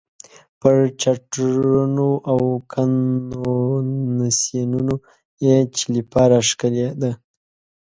پر چارټرونو او کنونسینونو یې چلیپا راښکلې ده.